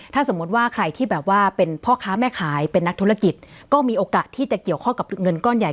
ถ้าสมมุติว่าใครที่แบบว่าเป็นพ่อค้าแม่ขายเป็นนักธุรกิจก็มีโอกาสที่จะเกี่ยวข้องกับเงินก้อนใหญ่